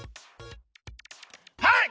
はい！